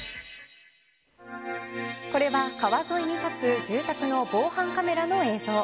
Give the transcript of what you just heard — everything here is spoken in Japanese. これは、川沿いに建つ住宅の防犯カメラの映像。